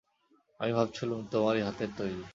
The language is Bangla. আমি ভাবছিলুম, তোমারই হাতের তৈরি।